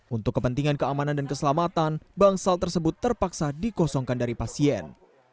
untuk kepentingan keamanan dan keselamatan bangsal tersebut terpaksa dikosongkan dari pasien